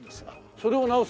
それを直す？